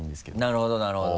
なるほどなるほど。